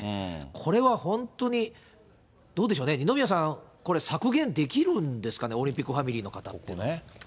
これは本当にどうでしょうね、二宮さん、これ、削減できるんでしょうかね、オリンピックファミリーの方って。